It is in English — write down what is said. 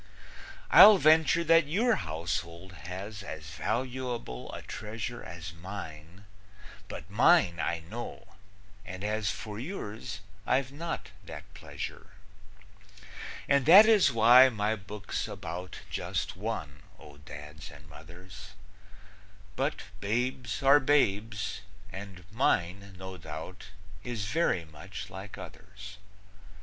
I'll venture that your household has As valuable a treasure As mine, but mine I know, and as For yours, I've not that pleasure. And that is why my book's about Just one, O Dads and Mothers; But babes are babes, and mine, no doubt, Is very much like others.